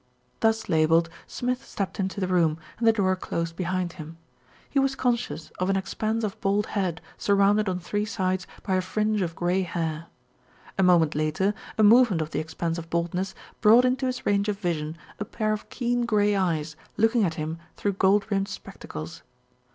Thus labelled, Smith stepped into the room, and the door closed behind him. He was conscious of an ex panse of bald head surrounded on three sides by a fringe of grey hair. A moment later a movement of the expanse of baldness brought into his range of vision a pair of keen, grey eyes looking at him through gold rimmed spectacles.